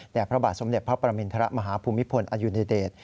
พระบาทสมเด็จพระประมินทรมาฮภูมิพลอดุญเดช